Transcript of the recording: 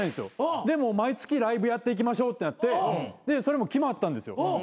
で毎月ライブやっていきましょうってなってそれも決まったんですよ。